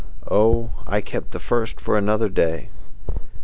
Oh, I kept the first for another day!